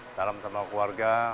salam sama keluarga